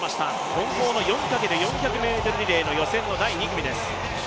混合の４×４００ｍリレーの予選の第２組です。